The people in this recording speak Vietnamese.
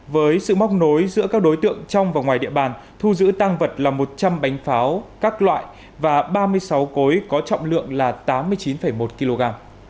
với sự móc nối giữa các đối tượng trong và ngoài địa bàn thu giữ tăng vật là một trăm linh bánh pháo các loại và ba mươi sáu cối có trọng lượng là tám mươi chín một kg